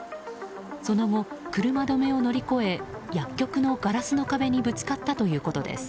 その後、車止めを乗り越え薬局のガラスの壁にぶつかったということです。